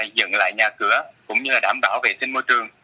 dựng lại nhà cửa cũng như là đảm bảo vệ sinh môi trường